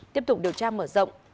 tiếp tục điều tra mở rộng